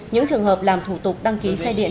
những trường hợp làm thủ tục đăng ký xe điện